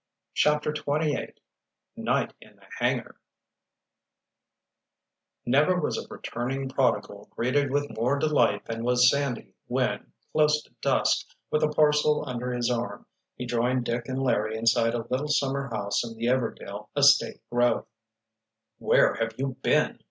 CHAPTER XXVIII NIGHT IN THE HANGAR Never was a returning prodigal greeted with more delight than was Sandy when, close to dusk, with a parcel under his arm, he joined Dick and Larry inside a little Summer house in the Everdail estate grove. "Where have you been?"